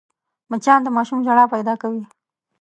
مچان د ماشوم ژړا پیدا کوي